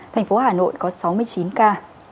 thành phố hà nội có sáu mươi chín ca